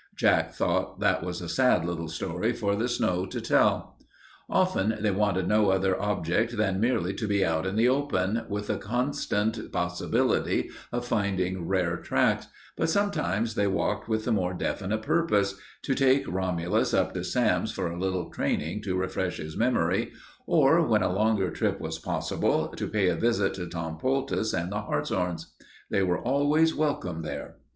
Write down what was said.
Jack thought that was a sad little story for the snow to tell. Often they wanted no other object than merely to be out in the open, with the constant possibility of finding rare tracks, but sometimes they walked with a more definite purpose to take Romulus up to Sam's for a little training to refresh his memory, or, when a longer trip was possible, to pay a visit to Tom Poultice and the Hartshorns. They were always welcome there.